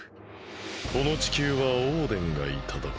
この地球はオーデンがいただく。